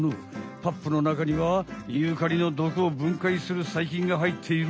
パップのなかにはユーカリの毒をぶんかいするさいきんがはいっている。